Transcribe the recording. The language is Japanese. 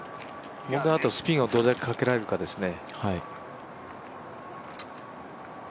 問題は、あとスピンをどれだけかけられるかですね。